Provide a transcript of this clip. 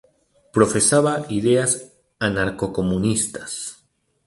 Profesaba ideas anarcocomunistas.